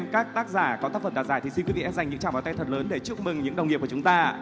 các tác giả có tác phẩm đạt giải thì xin quý vị hãy dành những tràng báo tay thật lớn để chúc mừng những đồng nghiệp của chúng ta